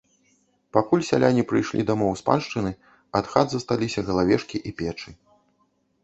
Пакуль сяляне прыйшлі дамоў з паншчыны, ад хат засталіся галавешкі і печы.